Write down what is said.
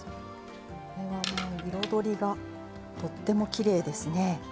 これは、もう彩りがとってもきれいですね。